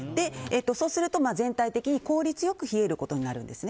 そうすると全体的に効率的に冷えることになるんです。